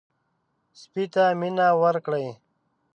سپي ته مینه ورکړئ.